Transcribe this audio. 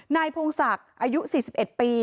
นายพงศักดิ์อายุ๔๑ปี